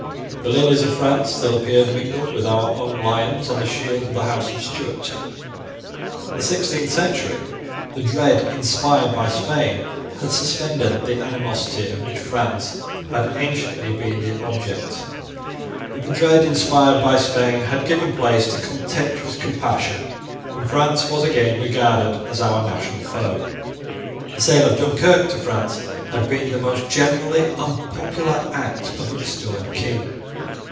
The lilies of France still appeared, mingled with our own lions, on the shield of the House of Stuart. In the sixteenth century the dread inspired by Spain had suspended the animosity of which France had anciently been the object. But the dread inspired by Spain had given place to contemptuous compassion; and France was again regarded as our national foe. The sale of Dunkirk to France had been the most generally unpopular act of the restored King.